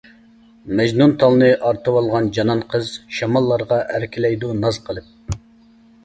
مەجنۇن تالنى ئارتىۋالغان جانان قىز، شاماللارغا ئەركىلەيدۇ ناز قىلىپ.